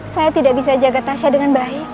saya tidak bisa jaga tasya dengan baik